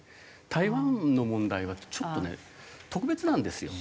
台湾の問題はちょっとね特別なんですよ。